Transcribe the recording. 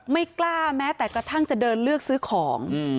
ไม่กล้าแม้แต่กระทั่งจะเดินเลือกซื้อของ